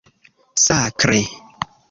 Sakre!